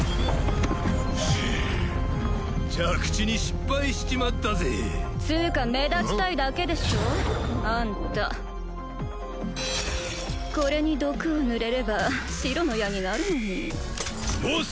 着地に失敗しちまったぜつうか目立ちたいだけでしょあんたこれに毒を塗れれば白の矢になるのにボス